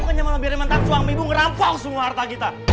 bukannya mau biarin mantan suami ibu ngerampok semua harta kita